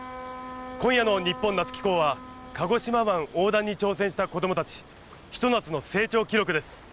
今夜の「にっぽん夏紀行」は鹿児島湾横断に挑戦した子どもたちひと夏の成長記録です。